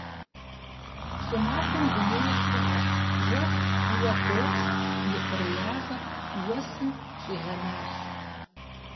ЩӀымахуэм дунейр щӀыӀэщ, уэс куу къос, ихъуреягъыр уэсым щӀигъэнащ.